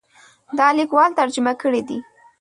دا لیکوال ترجمه کړی دی.